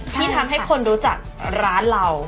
ที่ทำให้คนรู้จักร้านเรา